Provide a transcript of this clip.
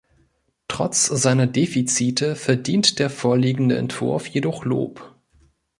Trotz seiner Defizite verdient der vorliegende Entwurf jedoch Lob.